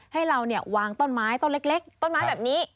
ให้เราเนี่ยวางต้นไม้ต้นเล็กต้นไม้แบบนี้